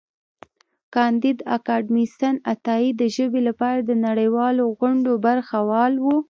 کانديد اکاډميسن عطايي د ژبې لپاره د نړیوالو غونډو برخه وال و.